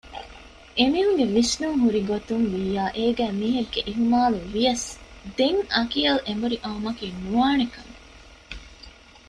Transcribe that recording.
އެމީހުން ގެ ވިސްނުން ހުރިގޮތުންވިއްޔާ އޭގައި މީހެއްގެ އިހުމާލުވިޔަސް ދެން އަކިޔަލް އެނބުރި އައުމަކީ ނުވާނެކަމެއް